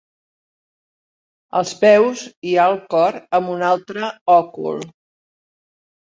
Als peus hi ha el cor amb un altre òcul.